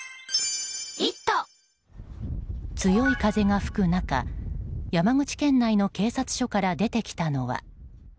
強い風が吹く中山口県内の警察署から出てきたのは。